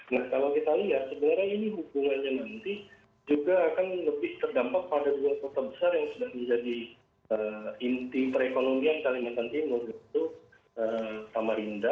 nah kalau kita lihat sebenarnya ini hubungannya nanti juga akan lebih terdampak pada dua kota besar yang sudah menjadi inti perekonomian kalimantan timur yaitu samarinda